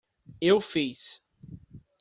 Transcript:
Eu fiz